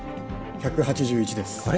１８１ですあれ？